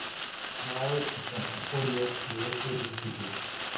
No hay escapatoria de este principio.